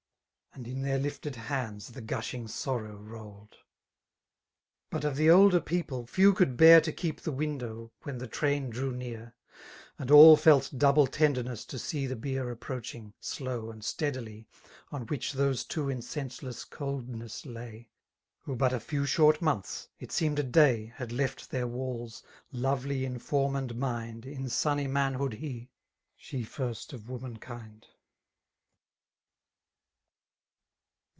And in their tiited hands the gushing sorrow foltod. But of the older people^ few could bear To'keep the windbw> when the train drew near; Ill And all felt double tenderness to see The bier approaching, slow and steadily^ '' On whieh those two in senseless coldness lay, Who but a few short months — it seemed a day, Had left their walls^ lovely in form and mind. In sunny manhood he^ — she first of womankind.